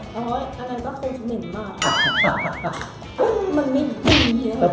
แต่ว่าแล้วถ้าได้หมดแบบมาสดชื่นสิครับ